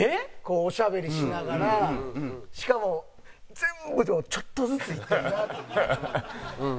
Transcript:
こうおしゃべりしながらしかも全部をちょっとずついってるなという。